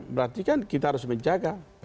berarti kan kita harus menjaga